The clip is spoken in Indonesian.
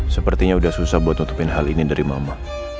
sepertinya udah susah buat tutupin hal ini dari mama